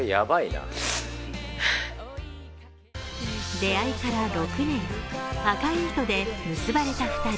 出会いから６年、赤い糸で結ばれた２人。